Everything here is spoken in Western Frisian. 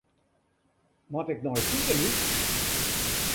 Moat ik nei it sikehús?